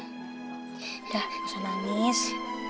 ya udah jangan nangis